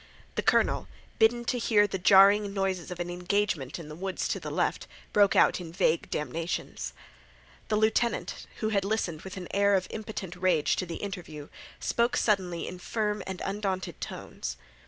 The colonel, bidden to hear the jarring noises of an engagement in the woods to the left, broke out in vague damnations. The lieutenant, who had listened with an air of impotent rage to the interview, spoke suddenly in firm and undaunted tones.